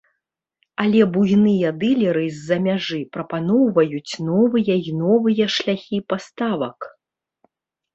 Але буйныя дылеры з-за мяжы прапаноўваюць новыя і новыя шляхі паставак.